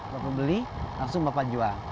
bapak beli langsung bapak jual